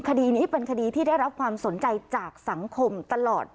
คดีนี้เป็นคดีที่ได้รับความสนใจจากสังคมตลอด